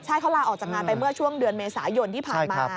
ใช่เขาลาออกจากงานไปเมื่อช่วงเดือนเมษายนที่ผ่านมา